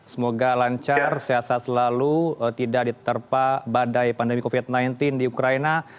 semoga lancar sehat sehat selalu tidak diterpa badai pandemi covid sembilan belas di ukraina